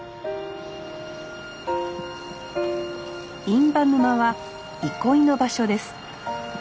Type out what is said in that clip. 印旛沼は憩いの場所です。